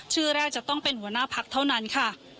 ชื่อแรกจะต้องเป็นหัวหน้าพักเท่านั้นค่ะ